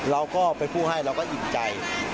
เราก็เป็นผู้ให้เราก็อิ่มใจ